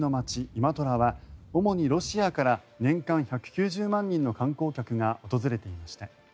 イマトラは主にロシアから年間１９０万人の観光客が訪れていました。